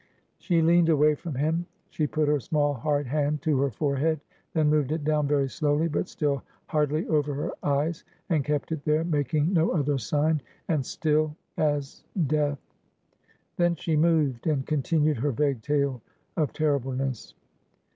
She leaned away from him; she put her small hard hand to her forehead; then moved it down, very slowly, but still hardly over her eyes, and kept it there, making no other sign, and still as death. Then she moved and continued her vague tale of terribleness.